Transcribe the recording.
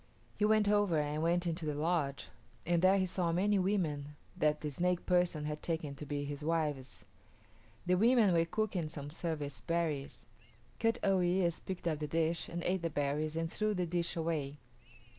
He went over and went into the lodge, and there he saw many women that the snake person had taken to be his wives. The women were cooking some service berries. Kut o yis´ picked up the dish and ate the berries and threw the dish away.